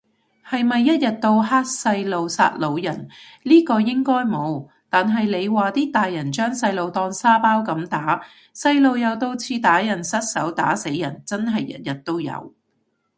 係咪一日到黑細路殺老人，呢個應該冇，但係你話啲大人將細路當沙包咁打，細路又到處打人失手打死人，真係日日都有